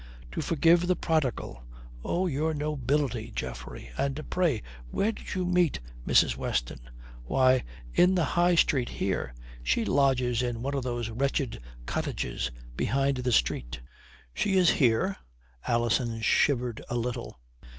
"To forgive the prodigal! Oh, your nobility, Geoffrey. And pray where did you meet Mrs. Weston?" "Why, in the High Street here. She lodges in one of those wretched cottages behind the street." "She is here?" Alison shivered a little.